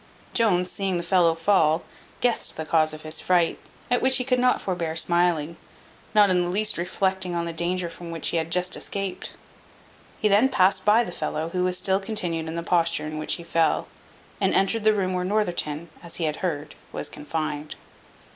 Jones seeing the fellow fall, guessed the cause of his fright, at which he could not forbear smiling, not in the least reflecting on the danger from which he had just escaped. He then passed by the fellow, who still continued in the posture in which he fell, and entered the room where Northerton, as he had heard, was confined.